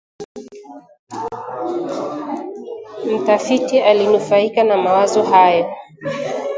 Mtafiti alinufaika na mawazo hayo